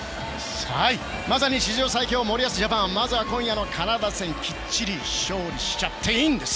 まさに史上最強森保ジャパンまずは今夜のカナダ戦しっかり勝利しちゃっていいんです！